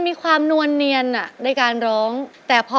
คุณขนาดนี้น่าจะผิด